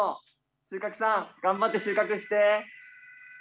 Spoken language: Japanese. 収穫さん頑張って収穫して。